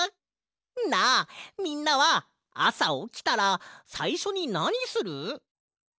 なあみんなはあさおきたらさいしょになにする？